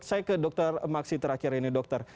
saya ke dokter maksi terakhir ini dokter